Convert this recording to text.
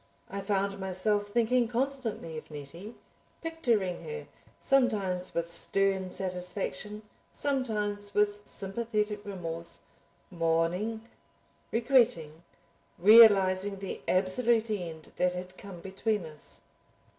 I found myself thinking constantly of Nettie, picturing her—sometimes with stern satisfaction, sometimes with sympathetic remorse—mourning, regretting, realizing the absolute end that had come between us.